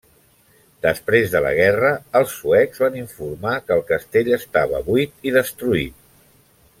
Després de la guerra, els suecs van informar que el castell estava buit i destruït.